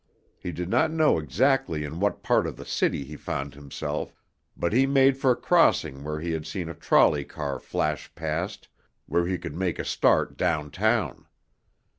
He did not know exactly in what part of the city he found himself, but he made for a crossing where he had seen a trolley car flash past, where he could make a start downtown.